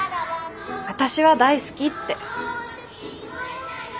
私は大好きって。